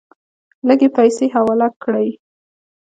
لږې پیسې حواله کړې.